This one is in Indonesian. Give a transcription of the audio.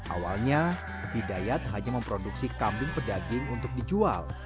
awalnya hidayat hanya memproduksi kambing pedaging untuk dijual